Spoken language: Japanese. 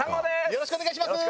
よろしくお願いします。